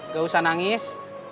gak usah nangis